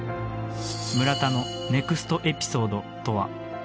村田のネクストエピソードとは？